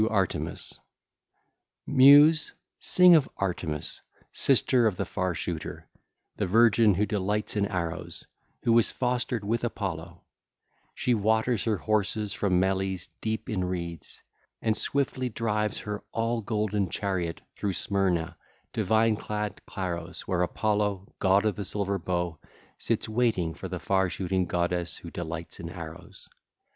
IX. TO ARTEMIS (ll. 1 6) Muse, sing of Artemis, sister of the Far shooter, the virgin who delights in arrows, who was fostered with Apollo. She waters her horses from Meles deep in reeds, and swiftly drives her all golden chariot through Smyrna to vine clad Claros where Apollo, god of the silver bow, sits waiting for the far shooting goddess who delights in arrows.